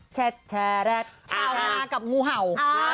เช้านากับงูเห่า